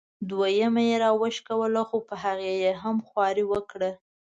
دویمه یې را وښکله خو په هغې یې هم خواري وکړه.